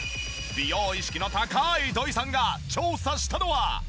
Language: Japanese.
美容意識の高い土居さんが調査したのは。